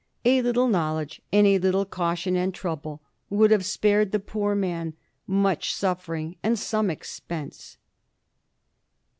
A little knowledge and a little cau tion and trouble would have spared the poor man much suffering and some expense.